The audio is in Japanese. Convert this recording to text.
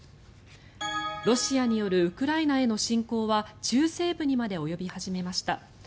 ロシアによるウクライナへの侵攻は中西部にまで及び始めました。